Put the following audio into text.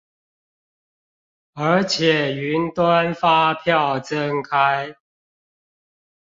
而且雲端發票增開